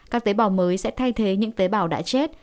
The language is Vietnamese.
các tế bào mới sẽ thay thế những tế bào đã chết